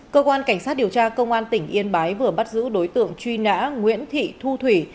cơ quan cảnh sát điều tra công an tỉnh yên bái vừa bắt giữ đối tượng truy nã nguyễn thị thu thủy